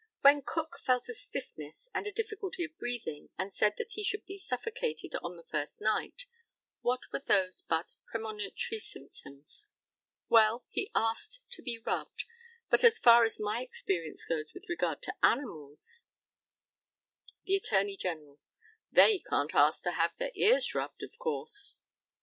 When Cook felt a stiffness and a difficulty of breathing, and said that he should be suffocated on the first night, what were those but premonitory symptoms? Well, he asked to be rubbed; but, as far as my experience goes with regard to animals The ATTORNEY GENERAL: They can't ask to have their ears rubbed, of course.